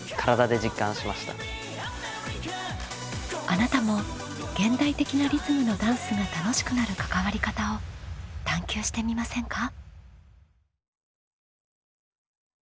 あなたも現代的なリズムのダンスが楽しくなる関わり方を探究してみませんか？